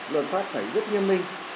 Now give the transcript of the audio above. luật pháp phải rất nhiên minh